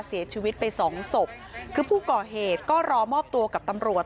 เสียชีวิตไปสองศพคือผู้ก่อเหตุก็รอมอบตัวกับตำรวจ